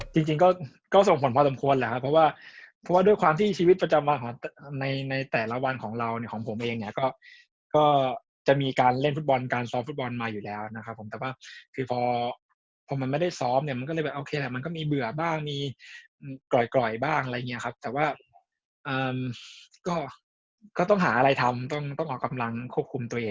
จริงก็ส่งผลพอสมควรแหละครับเพราะว่าเพราะว่าด้วยความที่ชีวิตประจำวันของในในแต่ละวันของเราเนี่ยของผมเองเนี่ยก็จะมีการเล่นฟุตบอลการซ้อมฟุตบอลมาอยู่แล้วนะครับผมแต่ว่าคือพอพอมันไม่ได้ซ้อมเนี่ยมันก็เลยแบบโอเคแหละมันก็มีเบื่อบ้างมีกล่อยบ้างอะไรอย่างเงี้ยครับแต่ว่าก็ต้องหาอะไรทำต้องออกกำลังควบคุมตัวเอง